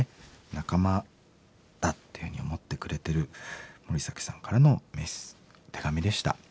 仲間だっていうふうに思ってくれてるハナサキさんからの手紙でした。